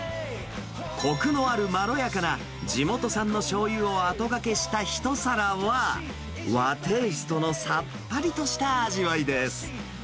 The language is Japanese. こくのあるまろやかな地元産のしょうゆを後がけした一皿は、和テーストのさっぱりとした味わいです。